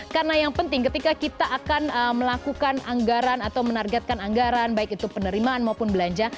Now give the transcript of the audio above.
karena yang penting ketika kita akan melakukan anggaran atau menargetkan anggaran baik itu penerimaan maupun belanja